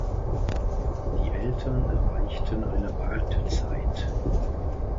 Die Eltern erreichten eine Wartezeit.